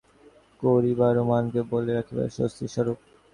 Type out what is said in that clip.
বৈরাগ্য এই শক্তিদ্বয়ের বিরুদ্ধে যুদ্ধ করিবার ও মনকে বশে রাখিবার শক্তিস্বরূপ।